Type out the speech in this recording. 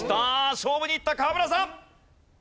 勝負にいった河村さん。